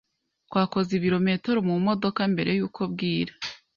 Twakoze ibirometero mumodoka mbere yuko bwira.